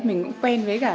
mình cũng quen với cả